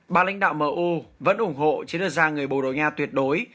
ba lãnh đạo mu vẫn ủng hộ chiến đấu gia người bầu đội nha tuyệt đối